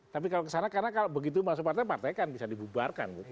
tapi kalau kesana karena kalau begitu masuk partai partai kan bisa dibubarkan